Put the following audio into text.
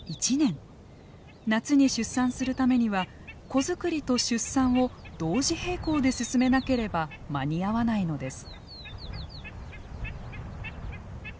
夏に出産するためには子作りと出産を同時並行で進めなければ間に合わないのです。